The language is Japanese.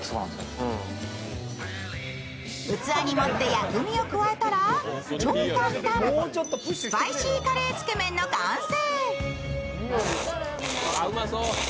器に盛って薬味を加えたら、超簡単、スパイシーカレーつけ麺の完成。